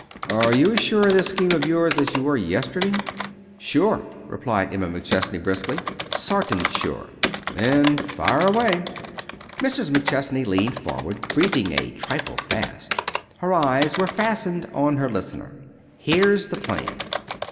"Are you as sure of this scheme of yours as you were yesterday?" "Sure," replied Emma McChesney, briskly. "Sartin sure." "Then fire away." Mrs. McChesney leaned forward, breathing a trifle fast. Her eyes were fastened on her listener. "Here's the plan.